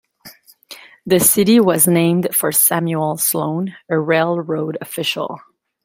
The city was named for Samuel Sloan, a railroad official.